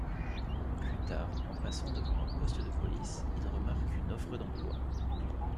Plus tard, en passant devant un poste de police, il remarque une offre d'emploi.